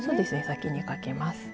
先にかけます。